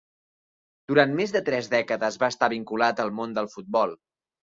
Durant més de tres dècades va estar vinculat al món del futbol.